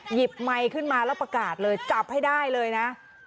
ไมค์ขึ้นมาแล้วประกาศเลยจับให้ได้เลยนะ